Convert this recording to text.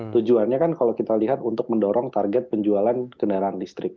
tujuannya kan kalau kita lihat untuk mendorong target penjualan kendaraan listrik